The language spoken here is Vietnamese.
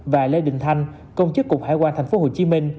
và lê đình thanh công chức cục hải quan tp hcm